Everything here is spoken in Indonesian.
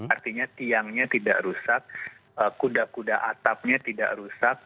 artinya tiangnya tidak rusak kuda kuda atapnya tidak rusak